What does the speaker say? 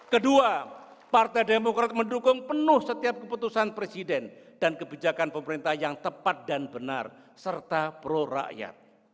kedua partai demokrat mendukung penuh setiap keputusan presiden dan kebijakan pemerintah yang tepat dan benar serta prorakyat